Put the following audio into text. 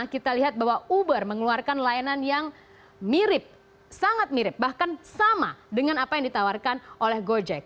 kita lihat bahwa uber mengeluarkan layanan yang mirip sangat mirip bahkan sama dengan apa yang ditawarkan oleh gojek